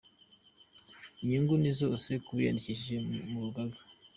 Inyungu ni zose kubiyandikishije mu rugaga.